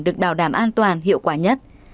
được đào đảm an toàn hiệu quả nhất